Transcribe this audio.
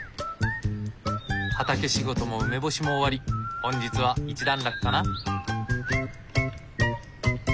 畑仕事も梅干しも終わり本日は一段落かな？